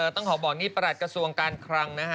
ต้องขอบอกนี่ปรัสก้าสวงค์การขรัง